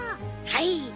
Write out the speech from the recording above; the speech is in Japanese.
はい！